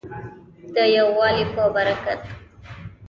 د یووالي په برکت.